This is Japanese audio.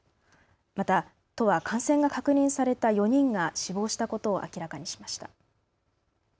また都は感染が確認された４人が死亡したことを明らかにしました。